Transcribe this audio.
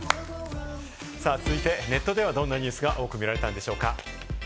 続いてネットではどんなニュースが多く見られたんでしょうか？